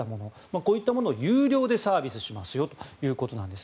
こういったものを有料でサービスしますよということです。